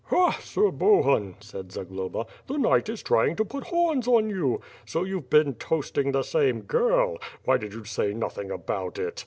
"Ha! Sir Bohun," said Zagloba, "the knight is trying to WITH FIRE AND SWORD , 215 put horns on you. So you've been toasting the same girl! Why did you say nothing about it?